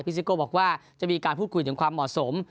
ซิโก้บอกว่าจะมีการพูดคุยถึงความเหมาะสม